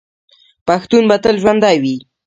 پښتون به تل ژوندی وي.